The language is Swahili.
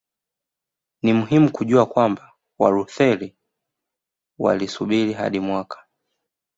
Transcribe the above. Ni muhimu kujua kwamba Walutheri walisubiri hadi mwaka